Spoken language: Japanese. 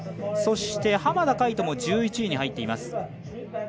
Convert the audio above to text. そして、浜田海人も１１位に入っています。